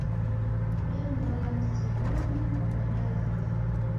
Demlola msidunyi w'endalaghaya